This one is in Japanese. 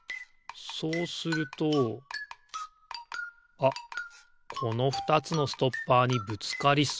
そうするとあっこの２つのストッパーにぶつかりそう。